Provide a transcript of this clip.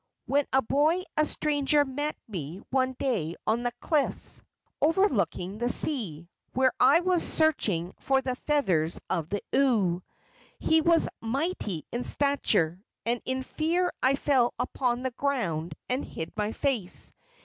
When a boy a stranger met me one day on the cliffs overlooking the sea, where I was searching for the feathers of the oo. He was mighty in stature, and in fear I fell upon the ground and hid my face.